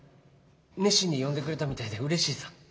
熱心に読んでくれたみたいでうれしいさ。